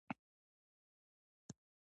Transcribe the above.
دوی د ټولنې ناروغۍ تشخیصوي.